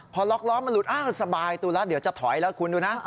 พอล็อกล้อมันหลุดอ้าวสบายตัวแล้วเดี๋ยวจะถอยแล้วคุณดูนะ